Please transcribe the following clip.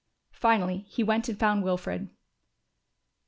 Finally he went and found Wilfred.